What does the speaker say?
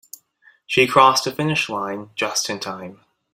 She crossed the finish line just in time.